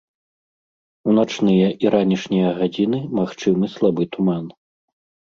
У начныя і ранішнія гадзіны магчымы слабы туман.